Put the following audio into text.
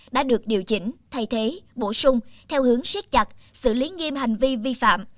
đã được điều chỉnh thay thế bổ sung theo hướng xét chặt xử lý nghiêm hành vi vi phạm